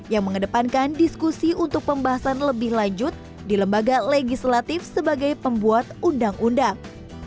yang mengedepankan diskusi untuk pembahasan lebih lanjut di lembaga legislatif sebagai pembuat undang undang